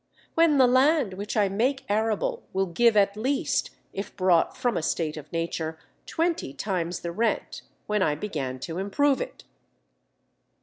When the land which I make arable will give at least (if brought from a state of nature) twenty times the rent when I began to improve it."